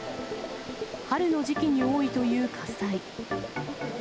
春の時期に多いという火災。